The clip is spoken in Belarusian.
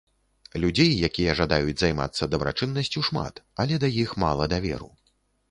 Людзей, якія жадаюць займацца дабрачыннасцю, шмат, але да іх мала даверу.